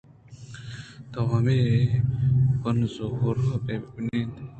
توہمائیءَبُہ زُورءُ بِہ نند